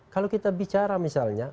kalau kita bicara misalnya